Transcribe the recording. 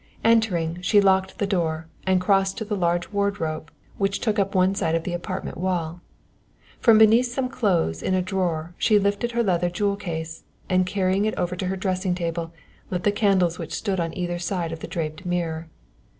Entering, she locked the door and crossed to the large wardrobe which took up one side of the apartment wall. From beneath some clothes in a drawer she lifted her leather jewel case, and carrying it over to the dressing table lit the candles which stood on either side of the draped mirror.